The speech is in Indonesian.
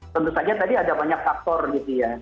tentu saja tadi ada banyak faktor gitu ya